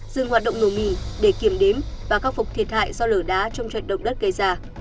dừng hoạt động nổ mì để kiểm đếm và khắc phục thiệt hại do lở đá trong trận động đất gây ra